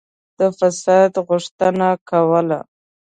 د فساد غوښتنه کوله.